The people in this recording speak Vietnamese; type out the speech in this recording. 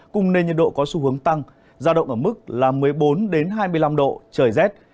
cùng nền nhiệt độ có xu hướng tăng giao động ở mức là một mươi bốn hai mươi năm độ trời rét